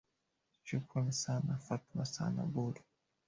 shukrani sana fatma san mbur